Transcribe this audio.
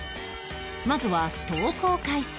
まずは投稿回数